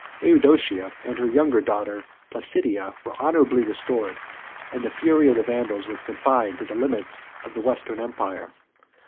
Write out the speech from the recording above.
Eudoxia and her younger daughter, Placidia, were honorably restored, and the fury of the Vandals was confined to the limits of the Western empire.